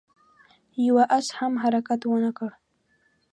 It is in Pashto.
يوه آس هم حرکت ونه کړ.